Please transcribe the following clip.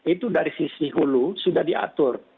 itu dari sisi hulu sudah diatur